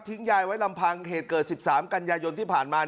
ยายไว้ลำพังเหตุเกิด๑๓กันยายนที่ผ่านมา